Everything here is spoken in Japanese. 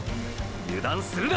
油断するな！！